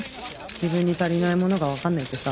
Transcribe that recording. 自分に足りないものが分かんないってさ。